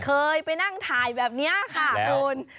เคยไปนั่งถ่ายแบบนี้ค่ะคุณ